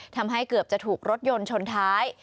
ทำให้เกือบจะถูกรถยนต์ชนท้าย